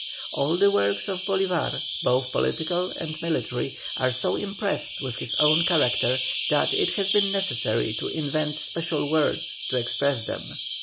All the works of Bolívar, both political and military, are so impressed with his own character that it has been necessary to invent special words to express them.